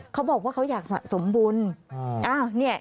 เขาบอกว่าเขาอยากสะสมบุญ